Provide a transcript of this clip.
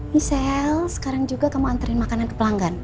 michelle sekarang juga kamu nganterin makanan ke pelanggan